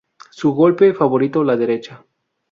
Su Golpe favorito la derecha.